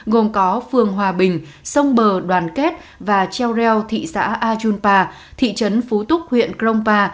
gồm có phường hòa bình sông bờ đoàn kết và treo reo thị xã a jun pa thị trấn phú túc huyện krong pa